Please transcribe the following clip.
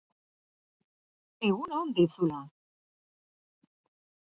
Egun on deizula!